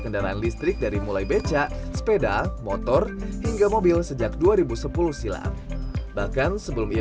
kendaraan listrik dari mulai becak sepeda motor hingga mobil sejak dua ribu sepuluh silam bahkan sebelum ia